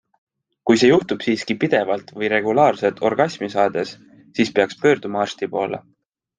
Kui see juhtub siiski pidevalt või regulaarselt orgasmi saades, siis peaks pöörduma arsti poole.